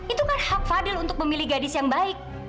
itu kan hak fadil untuk memilih gadis yang baik